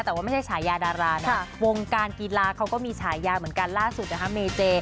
แต่ว่าไม่ใช่ฉายาดารานะวงการกีฬาเขาก็มีฉายาเหมือนกันล่าสุดนะคะเมเจ